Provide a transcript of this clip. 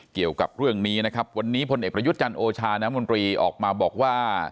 เกี่ยวกับเรื่องนี้นะครับวันนี้พลเอกประยุทธ์จันทร์โอชาน้ำมนตรีออกมาบอกว่า